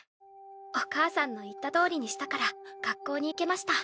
お母さんの言ったとおりにしたから学校に行けました。